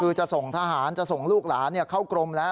คือจะส่งทหารจะส่งลูกหลานเข้ากรมแล้ว